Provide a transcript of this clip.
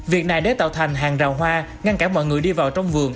việc này để tạo thành hàng rào hoa ngăn cản mọi người đi vào trong vườn